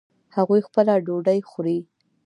هغوی خپله ډوډۍ خوري